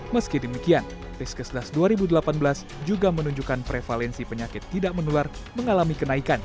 meski demikian riskesdas dua ribu delapan belas juga menunjukkan prevalensi penyakit tidak menular mengalami kenaikan